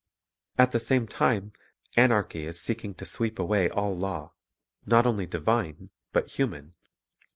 At the same time anarchy is seeking to sweep away all law, not only divine, but human.